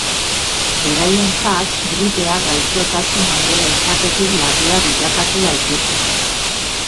Beraientzat gripea gaixotasun onbera izatetik larria bilakatu daiteke.